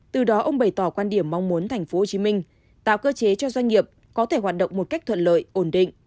từ đó ông bày tỏ quan điểm mong muốn tp hcm tạo cơ chế cho doanh nghiệp có thể hoạt động một cách thuận lợi ổn định